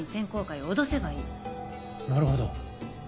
なるほど。